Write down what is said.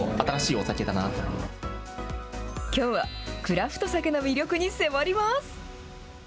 きょうは、クラフトサケの魅力に迫ります。